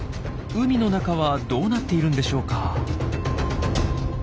海の中はどうなっているんでしょうか？